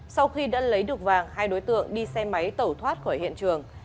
sau khi đã lấy được vàng hai đối tượng đi xe máy tẩu thoát khỏi hiện trường